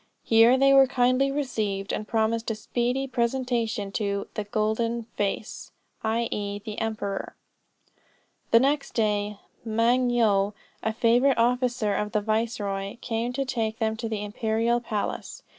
Here they were kindly received, and promised a speedy presentation to the "golden face," i.e. the emperor. The next day, Moung Yo, a favorite officer of the viceroy, came to take them to the imperial palace.